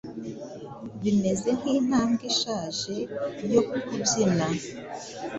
Bimeze nkintambwe ishaje yo kubyina